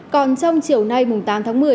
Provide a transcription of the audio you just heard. còn trong chiều nay tám tháng một mươi